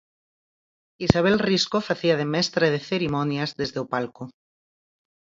Isabel Risco facía de 'mestra de cerimonias' desde o palco.